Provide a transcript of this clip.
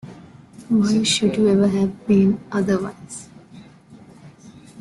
Why should you ever have been otherwise?